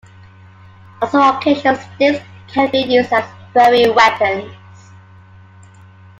On some occasions, sticks can be used as throwing weapons.